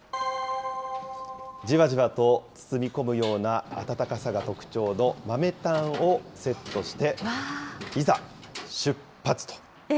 じわじわと包み込むような暖かさが特徴の豆炭をセットして、いざ出発と。